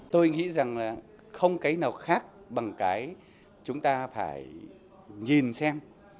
tôi nghĩ rằng là không cái nào khác bằng cái chúng ta phải nhìn xem